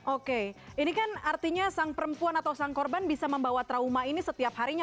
oke ini kan artinya sang perempuan atau sang korban bisa membawa trauma ini setiap harinya